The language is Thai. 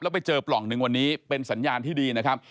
ไปเจอปล่องหนึ่งวันนี้เป็นสัญญาณที่ดีนะครับ